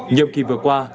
nhiệm kỳ vừa qua